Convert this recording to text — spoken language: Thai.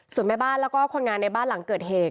ส่วนแม่บ้านแล้วก็คนงานในบ้านหลังเกิดเหตุ